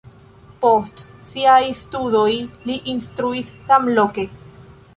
Post siaj studoj li instruis samloke.